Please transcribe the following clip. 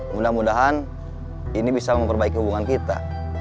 mudah mudahan ini bisa memperbaiki hubungan kita